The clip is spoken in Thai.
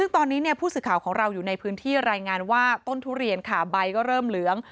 ตอนนี้พฤษข่าวของเราอยู่ในพื้นที่รายงานว่าต้นทุเรียนก็เริ่มเหลือง